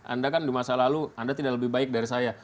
anda kan di masa lalu anda tidak lebih baik dari saya